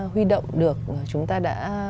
huy động được chúng ta đã